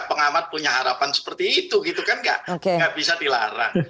pengamat punya harapan seperti itu gitu kan nggak bisa dilarang